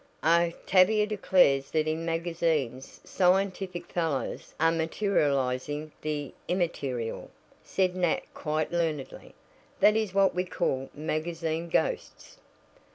"Oh, Tavia declares that in magazines scientific fellows are materializing the immaterial," said Nat quite learnedly. "That is what we call magazine ghosts."